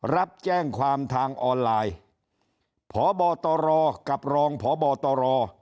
รับแจ้งความทางออนไลน์พบตรกับรองพบตร